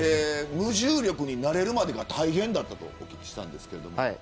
無重力に慣れるまでが大変だったとお聞きしたんですけれども。